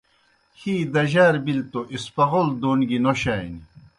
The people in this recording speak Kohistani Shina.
ہِی دجار بِلیْ تو اسپغول دون گیْ نوشانیْ۔